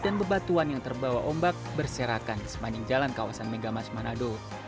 bebatuan yang terbawa ombak berserakan di sepanjang jalan kawasan megamas manado